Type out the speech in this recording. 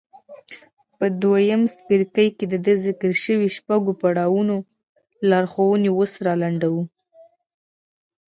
په دويم څپرکي کې د ذکر شويو شپږو پړاوونو لارښوونې اوس را لنډوو.